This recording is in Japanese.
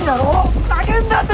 ふざけんなて！